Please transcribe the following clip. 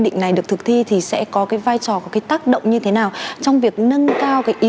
định này được thực thi thì sẽ có cái vai trò có cái tác động như thế nào trong việc nâng cao cái ý